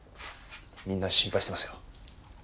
みんな心配してますよ。